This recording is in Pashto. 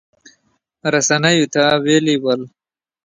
رسنیو ته ویلي ول